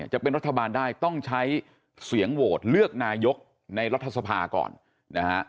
จะเป็นรัฐบาลได้ต้องใช้เสียงโหวตเลือกนายกในรัฐสภาก่อนนะฮะ